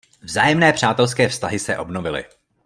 Vzájemné přátelské vztahy se obnovily.